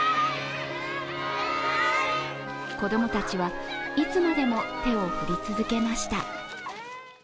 子供たちは、いつまでも手を振り続けました。